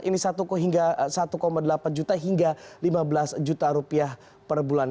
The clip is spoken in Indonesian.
ini satu delapan juta hingga lima belas juta rupiah per bulan